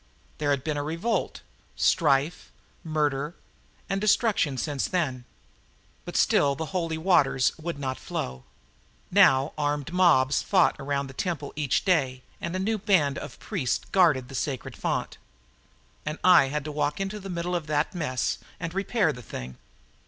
There had been revolt, strife, murder and destruction since then. But still the holy waters would not flow. Now armed mobs fought around the temple each day and a new band of priests guarded the sacred fount. And I had to walk into the middle of that mess and repair the thing.